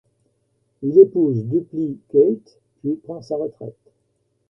Il épouse Dupli-Kate puis prend sa retraite.